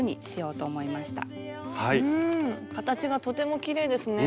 うん形がとてもきれいですね。